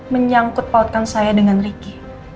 menyangkut pautkan saya dengan ricky